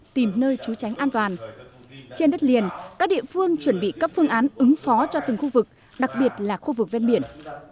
tìm nơi trú tránh an toàn trên đất liền các địa phương chuẩn bị các phương án ứng phó cho từng khu vực đặc biệt là khu vực ven biển